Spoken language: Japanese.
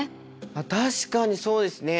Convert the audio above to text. あっ確かにそうですね。